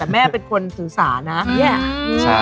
แม่เป็นคนสื่อสารนะ